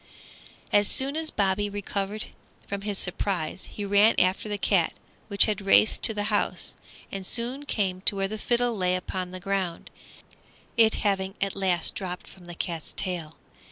As soon as Bobby recovered from his surprise he ran after the cat, which had raced to the house, and soon came to where the fiddle lay upon the ground, it having at last dropped from the cat's tail.